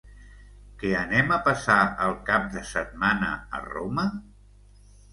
Que anem a passar el cap de setmana a Roma?